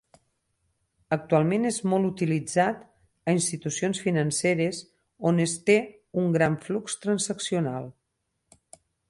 Actualment és molt utilitzat a institucions financeres on es té un gran flux transaccional.